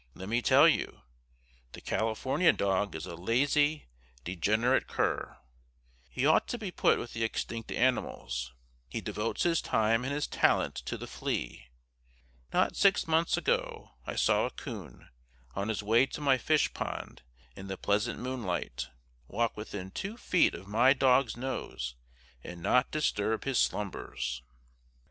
Let me tell you. The California dog is a lazy, degenerate cur. He ought to be put with the extinct animals. He devotes his time and his talent to the flea. Not six months ago I saw a coon, on his way to my fish pond in the pleasant moonlight, walk within two feet of my dog's nose and not disturb his slumbers.